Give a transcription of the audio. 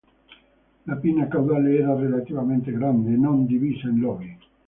La pinna caudale era relativamente grande, non divisa in lobi.